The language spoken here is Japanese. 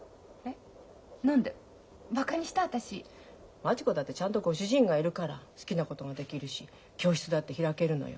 町子だってちゃんとご主人がいるから好きなことができるし教室だって開けるのよ。